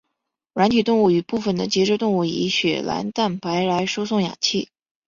软体动物与部分的节肢动物以血蓝蛋白来输送氧气。